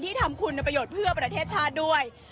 ทำคุณประโยชน์เพื่อประเทศชาติด้วย